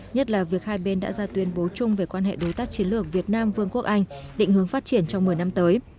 nhất là việc hai bên đã ra tuyên bố chung về quan hệ đối tác chiến lược việt nam vương quốc anh định hướng phát triển trong một mươi năm tới